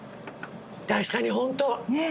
確かにホント！ねえ。